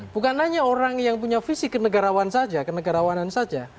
bukan hanya orang yang punya visi kenegarawan saja kenegarawanan saja